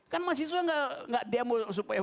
kan mahasiswa nggak demo supaya